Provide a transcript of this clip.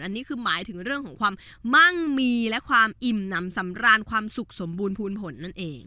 อันนี้คือหมายถึงเรื่องของความมั่งมีและความอิ่มน้ำสำราญความสุขสมบูรณภูมิผลนั่นเอง